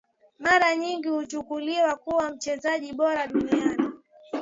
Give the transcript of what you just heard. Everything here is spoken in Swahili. Mara nyingi huchukuliwa kuwa mchezaji bora dunia